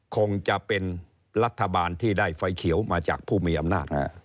คงจะเป็นรัฐบาลที่ได้ไฟเขียวมาจากผู้มีอำนาจ